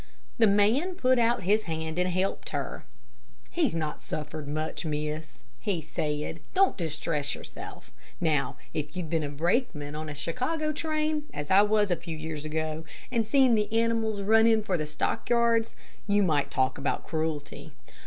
The man put out his hand and helped her. "He's not suffered much, miss," he said; "don't you distress yourself. Now if you'd been a brakeman on a Chicago train, as I was a few years ago, and seen the animals run in for the stock yards, you might talk about cruelty.